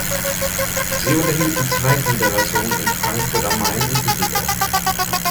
Sie unterhält Zweigniederlassungen in Frankfurt am Main und Düsseldorf.